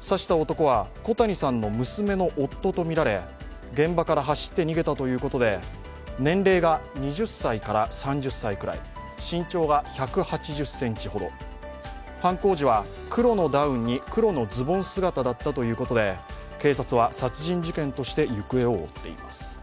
刺した男は、小谷さんの娘の夫とみられ、現場から走って逃げたということで、年齢が２０歳から３０歳くらい、身長は１８０ｃｍほど、犯行時は黒のダウンに黒のズボン姿だったということで警察は殺人事件として行方を追っています。